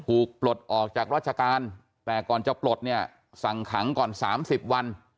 ปลดออกจากราชการแต่ก่อนจะปลดเนี่ยสั่งขังก่อน๓๐วัน